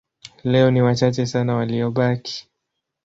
Leo ni wachache sana waliobaki.